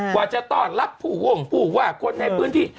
กว่าจะตอบรับผู้ว่าคนในพื้นที่